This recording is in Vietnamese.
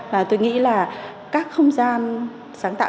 và tôi nghĩ là các không gian sáng tạo